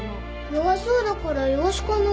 弱そうだからイワシかな？